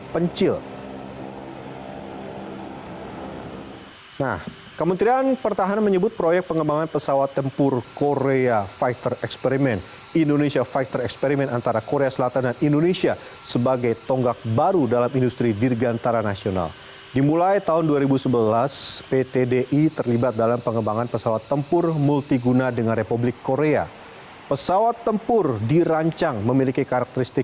pesawat ini diklaim cocok untuk membuka hingga meningkatkan pertumbuhan ekonomi masyarakat